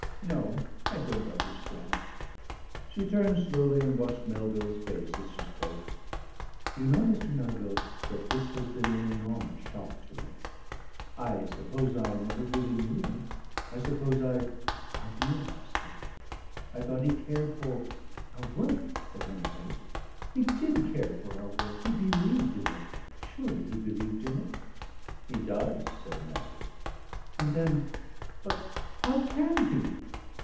No, I don't understand." She turned slowly and watched Melville's face as she spoke: "You know, Mr. Melville, that this has been an enormous shock to me. I suppose I never really knew him. I suppose I idealised him. I thought he cared for our work at any rate.... He did care for our work. He believed in it. Surely he believed in it." "He does," said Melville. "And then But how can he?"